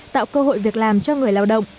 tạo cơ hội việc làm cho người lao động